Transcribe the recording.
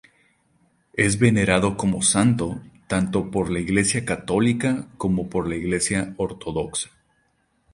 Es venerado como santo tanto por la Iglesia católica como por la Iglesia ortodoxa.